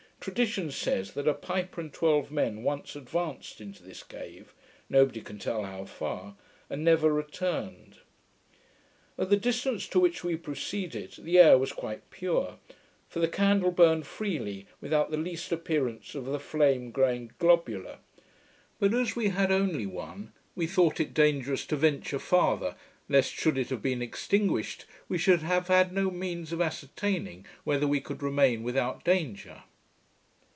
Tradition says, that a piper and twelve men once advanced into this cave, nobody can tell how far; and never returned. At the distance to which we proceeded the air was quite pure; for the candle burned freely, without the least appearance of the flame growing globular; but as we had only one, we thought it dangerous to venture farther, lest, should it have been extinguished, we should have had no means of ascertaining whether we could remain without danger.